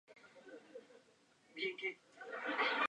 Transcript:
El principio del palomar es encontrado a menudo en informática.